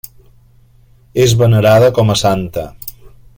És venerada com a santa.